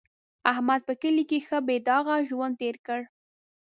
احمد په کلي کې ښه بې داغه ژوند تېر کړ.